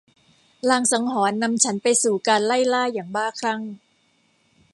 ลางสังหรณ์นำฉันไปสู่การไล่ล่าอย่างบ้าคลั่ง